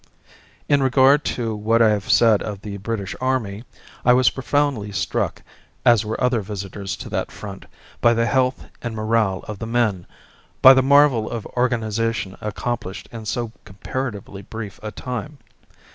In regard to what I have said of the British army, I was profoundly struck, as were other visitors to that front, by the health and morale of the men, by the marvel of organization accomplished in so comparatively brief a time.